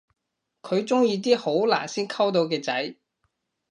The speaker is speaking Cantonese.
佢鍾意啲好難先溝到嘅仔